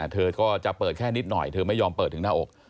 เธอก็จะเปิดแค่นิดหน่อยเธอไม่ยอมเปิดถึงหน้าอก